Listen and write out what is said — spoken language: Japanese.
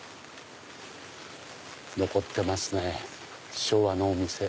残ってますね昭和のお店。